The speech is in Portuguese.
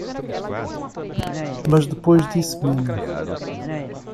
Mas depois disse menos